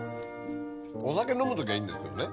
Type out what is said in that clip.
お酒飲むときはいいんですけどね。